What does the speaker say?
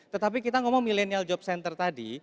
tetapi kita ngomong millennial job center tadi